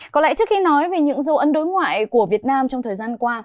có lẽ trước khi nói về những dấu ấn đối ngoại của việt nam trong thời gian qua